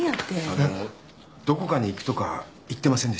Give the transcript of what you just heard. あのどこかに行くとか言ってませんでしたか？